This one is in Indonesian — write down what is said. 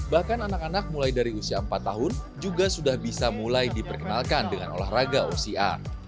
bahkan anak anak mulai dari usia empat tahun juga sudah bisa mulai diperkenalkan dengan olahraga ocr